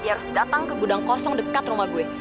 dia harus datang ke gudang kosong dekat rumah gue